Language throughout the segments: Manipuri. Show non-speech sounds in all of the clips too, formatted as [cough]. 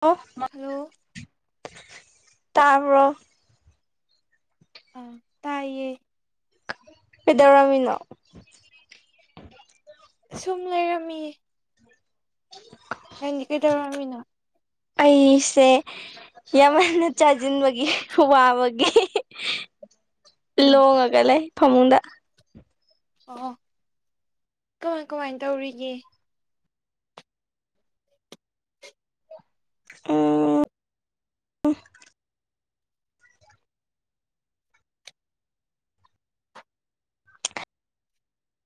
ꯑꯣ ꯍꯜꯂꯣ ꯇꯥꯕ꯭ꯔꯣ ꯎꯝ ꯇꯥꯏꯌꯦ ꯀꯩꯗꯧꯔꯝꯃꯤꯅꯣ ꯁꯨꯝ ꯂꯩꯔꯝꯃꯤꯌꯦ [unintelligible] ꯅꯪꯗꯤ ꯀꯩꯗꯧꯔꯝꯃꯤꯅꯣ ꯑꯩꯁꯦ ꯌꯥꯝꯃꯟꯅ ꯆꯥꯖꯤꯟꯕꯒꯤ ꯋꯥꯕꯒꯤ ꯎꯝ ꯂꯣꯡꯉꯒ ꯂꯩ ꯐꯃꯨꯡꯗ ꯑꯣ ꯀꯃꯥꯏ ꯀꯃꯥꯏ ꯇꯧꯔꯤꯒꯦ ꯎꯝ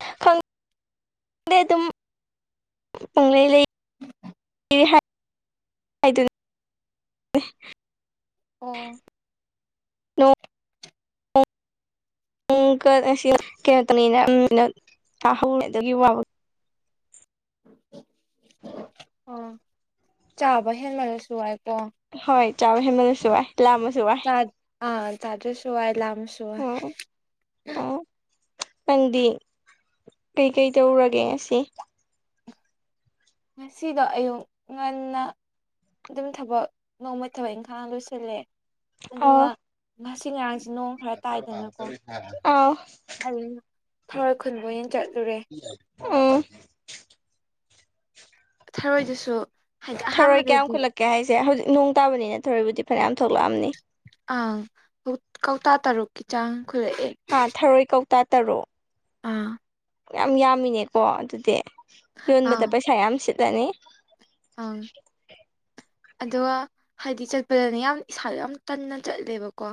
[unintelligible] ꯗꯨꯝ ꯄꯨꯡꯂꯩ ꯂꯩ ꯍꯥꯏꯗꯨꯅꯤ ꯑꯣ [unintelligible] [unintelligible] ꯑꯣ ꯆꯥꯕ ꯍꯦꯟꯃꯜꯂꯁꯨ ꯋꯥꯏꯀꯣ ꯍꯣꯏ ꯆꯥꯕ ꯍꯦꯟꯃꯜꯂꯁꯨ ꯋꯥꯏ ꯂꯥꯝꯃꯁꯨ ꯋꯥꯢ ꯆꯥꯠ ꯑꯥ ꯆꯥꯗ꯭ꯔꯁꯨ ꯋꯥꯏ ꯂꯥꯝꯃꯁꯨ ꯋꯥꯏ ꯑꯣ ꯅꯪꯗꯤ ꯀꯩꯀꯩ ꯇꯧꯔꯨꯔꯒꯦ ꯉꯁꯤ ꯉꯁꯤꯗꯣ ꯑꯌꯨꯛ ꯉꯟꯅ ꯑꯗꯨꯝ ꯊꯕꯛ ꯅꯣꯡꯃꯩ ꯊꯕꯛ ꯏꯪꯈꯥꯡ ꯂꯣꯏꯁꯤꯜꯂꯦ ꯑꯗꯨꯒ ꯑꯥ ꯉꯁꯤ ꯉꯔꯥꯡꯁꯦ ꯅꯣꯡ ꯈꯔ ꯇꯥꯏꯗꯅꯀꯣ ꯑꯥꯎ ꯍꯥꯏꯕꯂꯤ ꯊꯔꯣꯏ ꯈꯨꯟꯕ ꯑꯣꯏꯅ ꯆꯠꯂꯨꯔꯦ ꯎꯝ ꯊꯔꯣꯏꯗꯨꯁꯨ ꯍꯥꯏꯗꯤ ꯊꯔꯣꯏ ꯀꯌꯥꯝ ꯑꯍꯥꯟꯕꯗꯗꯤ ꯈꯨꯠꯂꯛꯀꯦ ꯍꯥꯏꯁꯦ ꯍꯧꯖꯤꯛ ꯅꯣꯡ ꯇꯥꯕꯅꯤꯅ ꯊꯔꯣꯏꯕꯨꯗꯤ ꯐꯅꯌꯥꯝ ꯊꯣꯛꯂꯛꯑꯝꯅꯤ ꯑ ꯀꯧ ꯀꯧꯇꯥ ꯇꯔꯨꯛꯀꯤ ꯆꯥꯡ ꯈꯨꯂꯛꯑꯦ ꯍꯥ ꯊꯔꯣꯏ ꯀꯧꯇꯥ ꯇꯔꯨꯛ ꯑꯥ ꯌꯥꯝ ꯌꯥꯝꯃꯤꯅꯦꯀꯣ ꯑꯗꯨꯗꯤ ꯑꯪ ꯌꯣꯟꯕꯗ ꯄꯩꯁꯥ ꯌꯥꯝ ꯁꯤꯠꯂꯅꯤ ꯑꯪ ꯑꯗꯣ ꯍꯥꯏꯗꯤ ꯆꯠꯄꯗꯅꯦ ꯌꯥꯝ ꯏꯁꯥꯗ ꯌꯥꯝ ꯇꯟꯅ ꯆꯠꯂꯦꯕꯀꯣ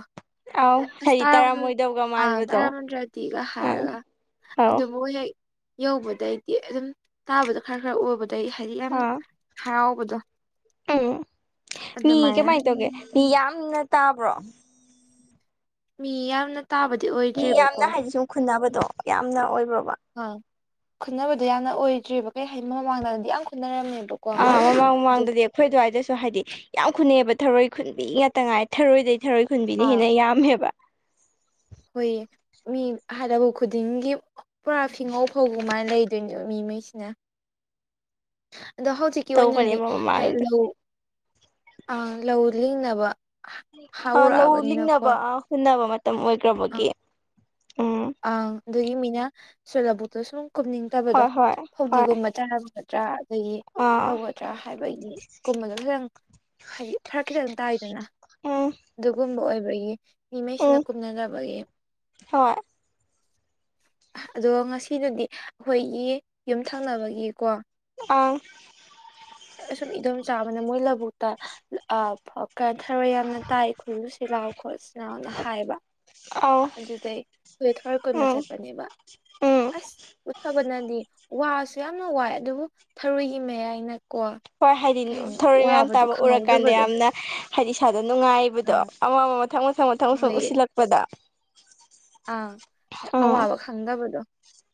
ꯑꯧ ꯑꯁ ꯍꯥꯏꯗꯤ ꯇꯔꯥꯝ ꯇꯥꯔꯝꯃꯣꯏꯗꯧꯒ ꯑꯥ ꯃꯥꯟꯕꯗꯣ ꯇꯔꯥꯝꯗ꯭ꯔꯗꯤꯒ ꯑꯪ ꯍꯥꯏꯔꯒ ꯑꯧ ꯑꯗꯨꯕꯨꯛ ꯂꯩ ꯌꯧꯕꯗꯩꯗꯤ ꯑꯗꯨꯝ ꯇꯥꯕꯗꯣ ꯈꯔ ꯈꯔ ꯎꯕꯗꯩ ꯍꯥꯏꯗꯤ ꯌꯥꯝ ꯑꯥ ꯍꯔꯥꯎꯕꯗꯣ ꯎꯝ ꯃꯤ ꯑꯗꯨꯃꯥꯏꯅ ꯀꯃꯥꯏ ꯇꯧꯒꯦ ꯃꯤ ꯌꯥꯝꯅ ꯇꯥꯕ꯭ꯔꯣ ꯃꯤ ꯌꯥꯝꯅꯠ ꯇꯥꯕꯗꯤ ꯑꯣꯏ ꯃꯤ ꯌꯥꯝꯅ ꯍꯥꯏꯗꯤ ꯁꯨꯝ ꯈꯨꯟꯗꯕꯗꯣ ꯌꯥꯝꯅ ꯑꯣꯏꯕ꯭ꯔꯕ ꯑꯥ ꯈꯨꯟꯅꯕꯗꯨ ꯌꯥꯝꯅ ꯑꯣꯏꯗ꯭ꯔꯦꯕ ꯀꯩ ꯍꯥꯏ ꯃꯃꯥꯡꯗꯗꯤ ꯌꯥꯝ ꯈꯨꯟꯅꯔꯝꯃꯦꯕꯛ ꯑꯥ ꯃꯃꯥꯡ ꯃꯃꯥꯡꯗꯗꯤ ꯑꯈꯣꯏꯗꯨꯋꯥꯏꯗꯁꯨ ꯍꯥꯏꯗꯤ ꯌꯥꯝ ꯈꯨꯅꯩꯌꯦꯕ ꯊꯔꯣꯏ ꯈꯨꯟꯕꯤ ꯉꯥꯛꯇ ꯉꯥꯏ ꯊꯔꯣꯏꯗꯩ ꯊꯔꯣꯏ ꯈꯨꯟꯕꯤꯅꯤ ꯍꯦꯟꯅ ꯌꯥꯝꯃꯦꯕ ꯍꯣꯏꯌꯦ ꯃꯤ ꯍꯥꯂꯕ ꯂꯕꯨꯛ ꯈꯨꯗꯤꯡꯒꯤ ꯄꯨꯔꯥ ꯐꯤꯉꯧ ꯐꯧꯒꯨ ꯃꯥꯥꯏꯟ ꯂꯩꯗꯣꯏꯅꯦꯕ ꯃꯤꯉꯩꯁꯤꯅ [inaudible] ꯑꯗꯣ ꯍꯧꯖꯤꯛꯀꯤ ꯑꯣꯏꯅꯗꯤ ꯇꯧꯕꯅꯦꯕ ꯍꯥꯏ ꯃꯃꯥꯡꯗ ꯂꯧ ꯑꯥ ꯂꯧ ꯂꯤꯡꯅꯕ ꯑ ꯂꯧ ꯍꯧꯔꯛꯑꯕꯅꯤꯅꯀꯣ ꯂꯤꯡꯅꯕ ꯑ ꯍꯨꯟꯅꯕ ꯃꯇꯝ ꯑꯣꯏꯒ꯭ꯔꯕꯨꯗꯤ ꯑꯪ ꯑꯪ ꯑꯗꯨꯒꯤ ꯃꯤꯅ ꯁꯣꯂꯕꯨꯛꯇꯣ ꯁꯨꯝ ꯀꯨꯝꯅꯤꯡꯇꯕꯗꯣ ꯍꯣꯏ ꯍꯣꯏ ꯍꯣꯏ ꯐꯧꯗꯤꯒꯨꯝꯕꯥ [unintelligible] ꯇ꯭ꯔꯥ ꯑꯗꯒꯤ ꯑꯥ ꯇꯧꯒꯗ꯭ꯔꯥ ꯍꯥꯏꯕꯒꯤ ꯀꯨꯝꯕꯗꯣ ꯈꯤꯇꯪ ꯍꯥꯏꯗꯤ ꯐꯔꯛ ꯈꯤꯇꯪ ꯇꯥꯏꯗꯅ ꯎꯝ ꯗꯨꯒꯨꯝꯕ ꯑꯣꯏꯕꯒꯤ ꯃꯤꯃꯩꯁꯤꯅ ꯎꯝ ꯀꯨꯝꯅꯗꯕꯒꯤ ꯍꯣꯏ ꯑꯗꯣ ꯉꯁꯤꯗꯨꯗꯤ ꯑꯈꯣꯏꯒꯤ ꯌꯨꯝ ꯊꯪꯅꯕꯒꯤꯀꯣ ꯑꯪ ꯑꯁꯨꯝ ꯏꯗꯣꯝ ꯆꯥꯕ ꯑꯃꯥꯅ ꯃꯣꯏ ꯂꯧꯕꯨꯛꯇ ꯑ [unintelligible] ꯊꯔꯣꯏ ꯌꯥꯝꯅ ꯇꯥꯏ ꯈꯨꯜꯂꯨ ꯁꯤꯂꯥꯎ ꯈꯣꯠꯂ ꯁꯤ ꯅꯥꯎꯅ ꯍꯥꯏꯕ ꯑꯥꯎ ꯗꯨꯗꯩ ꯍꯨꯏ ꯊꯣꯔꯣꯏ ꯀꯣꯟꯕ ꯆꯠꯄꯅꯦꯕ ꯎꯝ ꯑꯁ ꯎꯠꯊꯕꯅꯗꯤ ꯋꯥꯁꯨ ꯌꯥꯝꯅ ꯋꯥꯏ ꯑꯗꯨꯕꯨ ꯊꯔꯣꯏꯒꯤ ꯃꯌꯥꯏꯅꯀꯣ ꯍꯣꯏ ꯍꯥꯏꯗꯤ ꯀꯩ ꯍꯥꯏꯅꯤ ꯊꯧꯔꯣꯏ ꯃꯌꯥꯝ ꯋꯥꯕꯗꯣ ꯇꯥꯕ ꯎꯔꯀꯥꯟꯗ ꯈꯪꯍꯧꯗꯕꯗꯣ ꯌꯥꯝꯅ ꯍꯥꯏꯗꯤ ꯏꯁꯥꯗꯣ ꯅꯨꯡꯉꯥꯏꯕꯗꯣ ꯑꯥ ꯑꯃ ꯑꯃ ꯃꯊꯪ ꯃꯊꯪ ꯃꯊꯪ ꯃꯊꯪ ꯎꯁꯤꯜꯂꯛꯄꯗ ꯑꯪ ꯎꯝ ꯑꯋꯥꯕ ꯈꯪꯗꯕꯗꯣ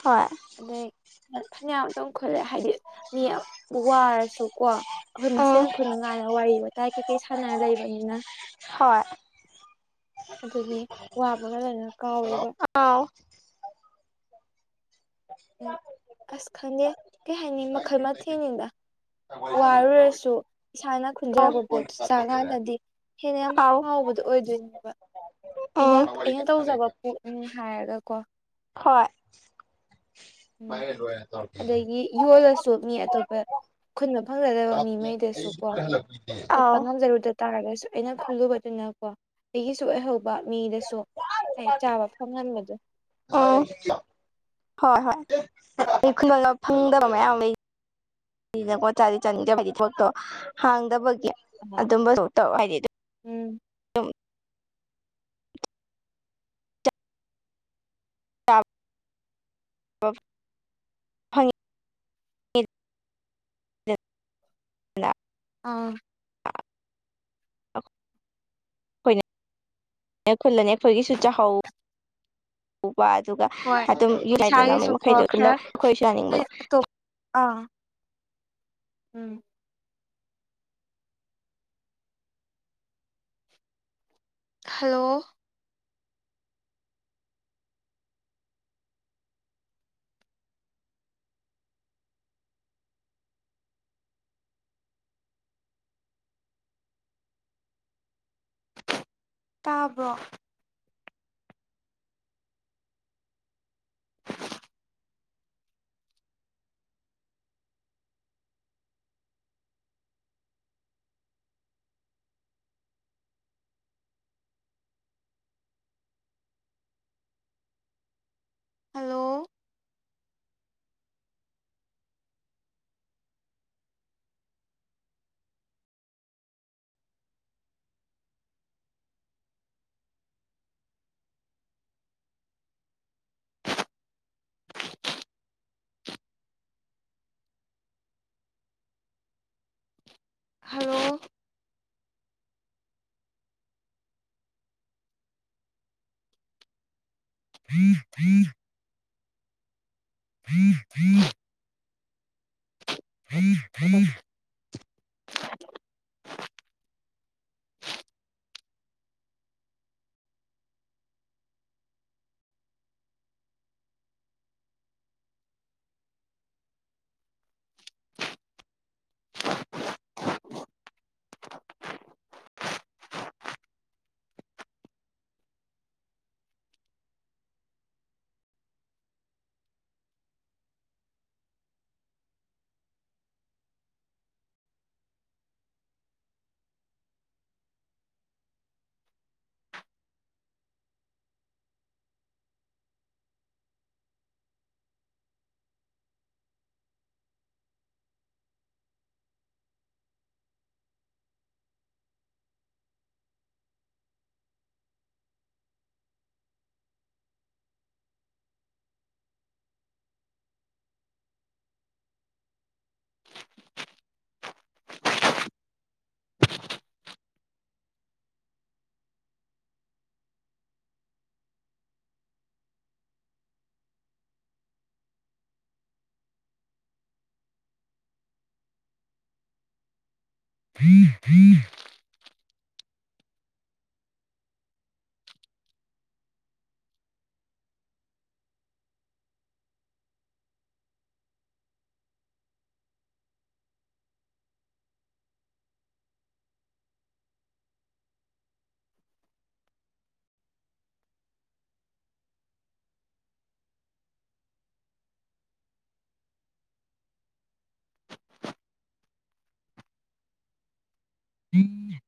ꯍꯣꯏ ꯑꯗꯩ ꯐꯅꯌꯥꯝꯇꯨꯡ ꯈꯨꯜꯂꯦ ꯍꯥꯏꯗꯤ ꯃꯤ ꯋꯥꯔꯁꯨꯀꯣ ꯑꯈꯣꯏ ꯎꯝ ꯃꯁꯦꯜ ꯈꯨꯟꯅꯨ ꯉꯥꯏꯅ ꯋꯥꯔꯤ ꯋꯥꯇꯥꯏ ꯀꯩ ꯀꯩ ꯁꯥꯟꯅꯔ ꯂꯩꯕꯅꯤꯅ ꯍꯣꯏ ꯑꯗꯨꯒꯤ ꯋꯥꯕꯒ ꯂꯣꯏꯅ ꯀꯥꯎꯋꯦꯕ ꯑꯥꯎ ꯎꯝ ꯑꯁ ꯈꯪꯗꯦ ꯀꯩ ꯍꯥꯏꯅꯤ ꯃꯈꯜ ꯃꯊꯦꯡꯅꯤꯗ ꯋꯥꯔꯨꯔꯁꯨ ꯏꯁꯥꯅ ꯈꯨꯟꯖꯔꯛꯄ ꯄꯣꯠꯇꯨ ꯆꯥꯒꯥꯟꯗꯗꯤ ꯍꯦꯟꯅ ꯌꯥꯝ ꯑꯥꯎ ꯍꯥꯎꯕꯗꯨ ꯑꯣꯏꯗꯣꯏꯅꯦꯕ ꯑꯩꯅ ꯎꯝ ꯍꯣꯏ ꯑꯩꯅ ꯇꯧꯖꯕ [unintelligible] ꯍꯥꯏꯔꯒ ꯀꯣ ꯍꯣꯏ ꯎꯝ ꯑꯗꯒꯤ ꯌꯣꯜꯂꯁꯨ ꯃꯤꯅꯤ ꯑꯇꯣꯞꯄ ꯈꯨꯟꯕ ꯐꯪꯖꯗꯕ ꯃꯤꯉꯩꯗꯁꯨ ꯀꯣ ꯆꯠꯄ ꯑꯥꯎ ꯉꯝꯖꯔꯨꯗ ꯇꯥꯔꯒꯁꯨ ꯑꯩꯅ ꯈꯨꯜꯂꯨꯕꯗꯨꯅꯀꯣ ꯑꯩꯒꯤꯁꯨ ꯑꯣꯏꯍꯧꯕ ꯃꯤꯗꯁꯨ ꯑꯩ ꯆꯥꯕ ꯐꯪꯍꯟꯕꯗꯣ ꯎꯝ ꯍꯣꯏ ꯍꯣꯏ ꯑꯩ ꯈꯨꯒꯗ ꯐꯪꯗꯕ ꯃꯌꯥꯝ ꯂꯩ ꯀꯣ ꯆꯥꯗꯤ ꯆꯥꯅꯤꯡꯗꯕ ꯍꯥꯏꯗꯤ ꯊꯕꯛꯇꯣ ꯍꯥꯡꯗꯕꯒꯤ ꯑꯍ ꯑꯗꯨꯝꯕꯁꯨ ꯇꯧ ꯍꯥꯏꯗꯤ ꯎꯝ [inaudible] [unintelligible] ꯑꯥ [unintelligible] ꯈꯨꯜꯂꯅꯤ ꯑꯩꯈꯣꯏꯒꯤꯁꯨ ꯆꯥꯍꯧ [unintelligible] ꯑꯗꯨꯒ ꯍꯣꯏ ꯑꯗꯨꯝ ꯌꯨ ꯌꯥꯏꯗꯅ ꯃꯣꯏ ꯏꯁꯥꯒꯤꯁꯨꯀꯣ ꯃꯈꯩꯗꯣ ꯈꯔ ꯄꯨꯂꯞ ꯑꯩꯈꯣꯏꯁꯨ ꯌꯥꯅꯤꯡꯕ ꯑꯇꯣꯞ ꯑꯥ ꯎꯝ ꯍꯜꯂꯣ ꯇꯥꯕ꯭ꯔꯣ [unintelligible] ꯍꯜꯂꯣ [unintelligible] ꯍꯜꯂꯣ [unintelligible] [unintelligible] [unintelligible] [unintelligible] [unintelligible] [unintelligible]